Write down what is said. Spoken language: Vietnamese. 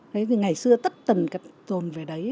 đấy thì ngày xưa tất tần rồn về đấy